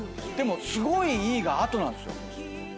でも「すごいいい」が後なんですよ。